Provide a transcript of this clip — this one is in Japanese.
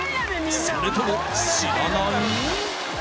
それとも知らない？